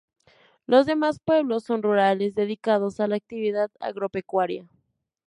Los demás pueblos son rurales dedicados a la actividad agropecuaria.